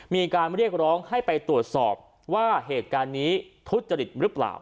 มีการเรียกร้องให้ไปตรวจสอบว่าเหตุการณ์นี้ทุจริตหรือเปล่า